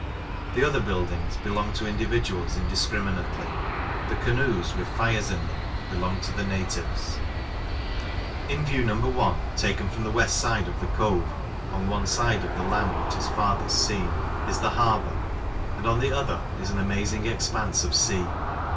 The other buildings belong to individuals indiscriminately. The Canoes, with fires in them, belong to the natives. In View, No. I. taken from the West side of the Cove, on one side of the land which is farthest seen, is the Harbour; and on the other, is an amazing expanse of sea.